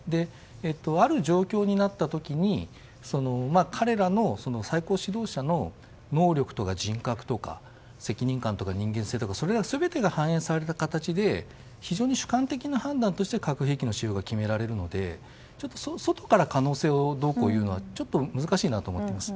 ある状況になった時に彼らの最高指導者の能力とか人格とか責任感とか人間性とかそれら全てが反映された形で非常に主観的な判断として核兵器の使用が決められるので外から可能性をどうこう言うのはちょっと難しいと思っています。